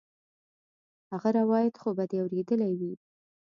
هغه روايت خو به دې اورېدلى وي.